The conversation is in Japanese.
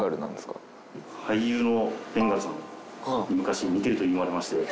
俳優のベンガルさんに昔似てると言われまして。